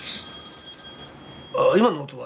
☎あ今の音は？